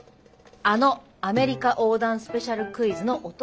あのアメリカ横断スペシャルクイズのオトワヤ版。